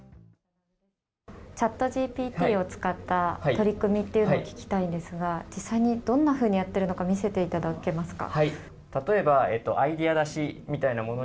チャットＧＰＴを使った取り組みというのを聞きたいんですが、実際にどんなふうにやっているのか見せていただけますか。